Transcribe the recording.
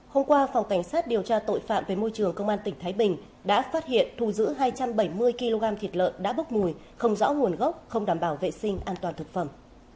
hôm qua phòng cảnh sát điều tra tội phạm về môi trường công an tỉnh thái bình đã phát hiện thu giữ hai trăm bảy mươi kg thịt lợn đã bốc mùi không rõ nguồn gốc không đảm bảo vệ sinh an toàn thực phẩm